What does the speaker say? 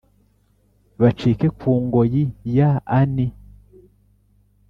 bacike kungoyi ya ani